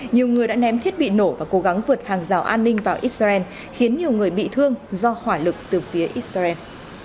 nhiều người đã ném thiết bị nổ và cố gắng vượt hàng rào an ninh vào israel khiến nhiều người bị thương do hỏa lực từ phía israel